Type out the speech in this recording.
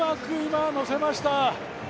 今、乗せました。